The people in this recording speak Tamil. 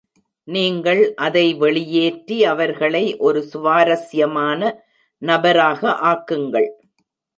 நீங்கள் அதை வெளியேற்றி அவர்களை ஒரு சுவாரஸ்யமான நபராக ஆக்குங்கள்.